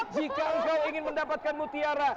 jika engkau ingin mendapatkan mutiara